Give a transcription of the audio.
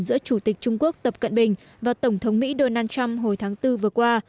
giữa chủ tịch trung quốc tập cận bình và tổng thống mỹ donald trump hồi tháng bốn vừa qua